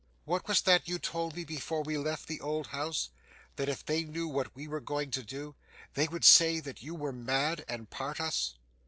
What was that you told me before we left the old house? That if they knew what we were going to do, they would say that you were mad, and part us?